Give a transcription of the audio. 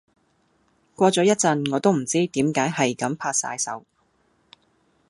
過咗一陣我都唔知點解係咁拍曬手